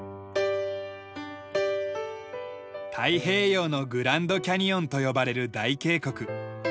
太平洋のグランドキャニオンと呼ばれる大渓谷。